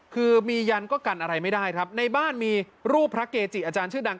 คือมียันก็กันอะไรไม่ได้ครับในบ้านมีรูปพระเกจิอาจารย์ชื่อดัง